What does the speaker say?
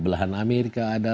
belahan amerika ada